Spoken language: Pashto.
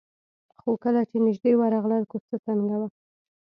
خو کله چې نژدې ورغلل کوڅه تنګه وه.